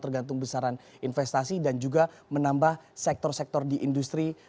tergantung besaran investasi dan juga menambah sektor sektor di industri